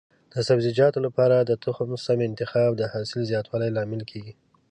د سبزیجاتو لپاره د تخم سم انتخاب د حاصل زیاتوالي لامل کېږي.